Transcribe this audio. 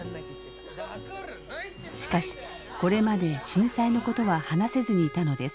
しかしこれまで震災のことは話せずにいたのです。